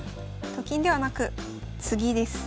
と金ではなく次です。